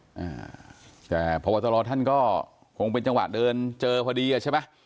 อ่าแต่พบตรท่านก็คงเป็นจังหวะเดินเจอพอดีอ่ะใช่ไหม